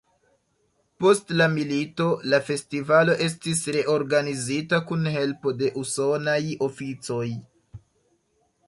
Post la milito la festivalo estis reorganizita kun helpo de usonaj oficoj.